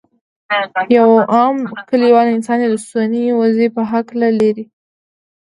یو عام کلیوال انسان یې د اوسنۍ وضعې په هکله لري.